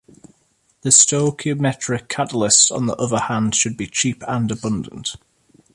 The stoichiometric catalyst on the other hand should be cheap and abundant.